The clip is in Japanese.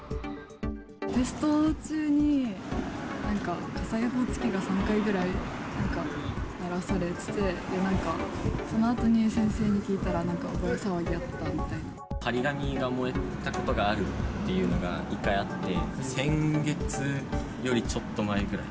テスト中に火災報知機が３回くらい、なんか鳴らされてて、なんか、そのあとに先生に聞いたら、貼り紙が燃えたことがあるっていうのが１回あって、先月よりちょっと前ぐらい。